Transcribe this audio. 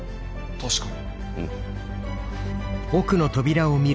確かに。